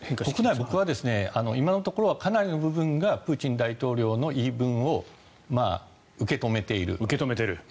国内は今のところはかなりの部分がプーチン大統領の言い分を受け止めている。